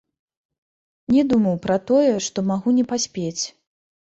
Не думаў пра тое, што магу не паспець.